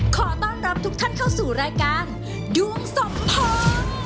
ขอต้อนรับทุกท่านเข้าสู่รายการดวงสมพร